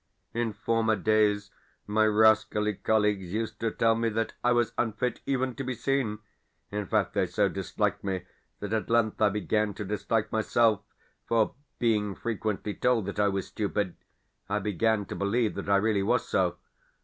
In former days my rascally colleagues used to tell me that I was unfit even to be seen; in fact, they so disliked me that at length I began to dislike myself, for, being frequently told that I was stupid, I began to believe that I really was so.